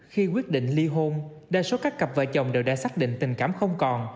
khi quyết định ly hôn đa số các cặp vợ chồng đều đã xác định tình cảm không còn